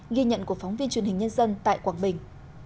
ghi nhận của phóng viên truyền hình nhân dân tại quảng bình